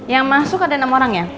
yang masuk ada enam orang ya